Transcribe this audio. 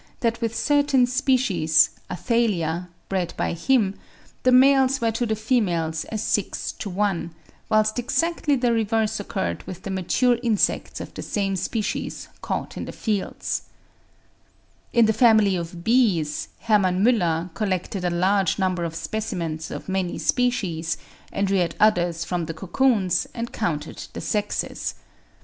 that with certain species (Athalia), bred by him, the males were to the females as six to one; whilst exactly the reverse occurred with the mature insects of the same species caught in the fields. In the family of bees, Hermann Müller (87. 'Anwendung der Darwin'schen Lehre,' Verh. d. n. Jahrg., xxiv.), collected a large number of specimens of many species, and reared others from the cocoons, and counted the sexes.